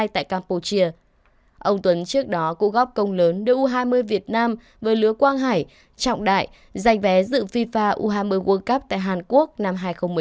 ông tuấn trước đó cũng góp công lớn do u hai mươi việt nam với lứa quang hải trọng đại giành vé dự fifa u hai mươi world cup tại hàn quốc năm hai nghìn một mươi tám